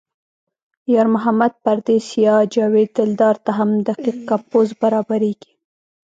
یار محمد پردیس یا جاوید دلدار ته هم دقیق کمپوز برابرېږي.